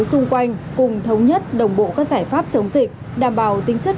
xung quanh cùng thống nhất đồng bộ các giải pháp chống dịch đảm bảo tính chất